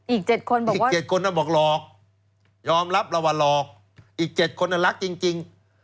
อีก๗คนน่ะบอกหลอกยอมรับเราว่าหลอกอีก๗คนน่ะรักจริง